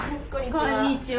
こんにちは。